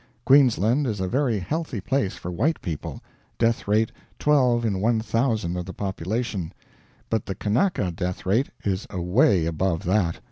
Queensland is a very healthy place for white people death rate 12 in 1,000 of the population but the Kanaka death rate is away above that.